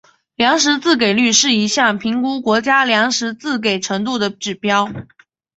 粮食自给率是一项评估国家粮食自给程度的指标。